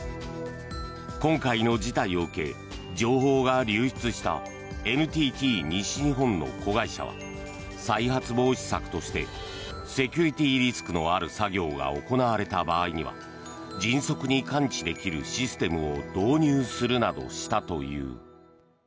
今回の事態を受け情報が流出したＮＴＴ西日本の子会社は再発防止策としてセキュリティーリスクのある作業が行われた場合には迅速に感知できるシステムを導入するなどしたという。